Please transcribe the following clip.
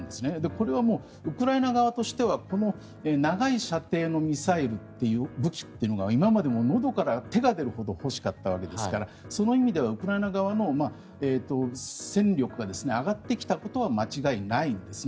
これはもうウクライナ側としてはこの長い射程のミサイルという武器というのが今までものどから手が出るほど欲しかったわけですからその意味ではウクライナ側の戦力が上がってきたことは間違いないんですね。